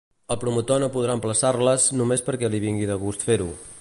El promotor no podrà emplaçar-les només perquè li vingui de gust fer-ho.